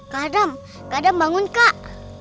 kadem kadem bangun kak